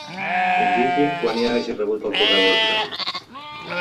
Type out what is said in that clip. Indiqui'm quan ja hagi rebut el correu electrònic.